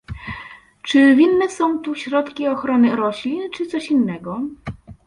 Czy winne są tu środki ochrony roślin, czy coś innego?